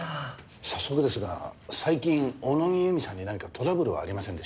早速ですが最近小野木由美さんに何かトラブルはありませんでしたか？